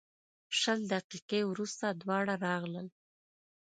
شل دقیقې وروسته دواړه راغلل.